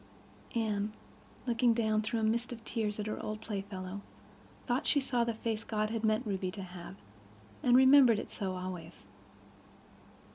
Anne, looking down through a mist of tears, at her old playfellow, thought she saw the face God had meant Ruby to have, and remembered it so always.